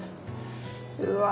うわ。